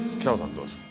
どうですか？